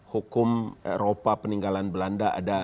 hukum eropa peninggalan belanda ada